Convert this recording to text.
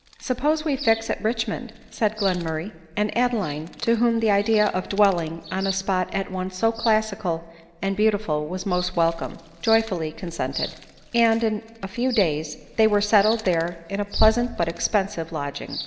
" Suppose we fix at Richmond ?" said Glenmurray ; and Adeline, to whom the idea of dwelling on a spot at once so classical and beautiful was most welcome, joy fully consented ; and in a few days they were settled there in a pleasant but expensive lodging.